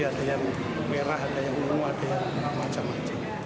jadi ada yang merah ada yang ungu ada yang macam macam